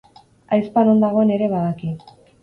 Ahizpa non dagoen ere badaki.